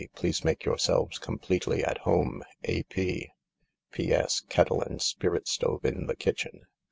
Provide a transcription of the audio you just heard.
Please make yourselves completely at home. — A. P. "P.S. — Kettle and spirit stove in the kitchen.